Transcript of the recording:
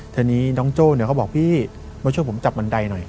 ทีนี้น้องโจ้เนี่ยเขาบอกพี่มาช่วยผมจับบันไดหน่อย